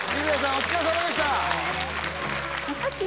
お疲れさまでした。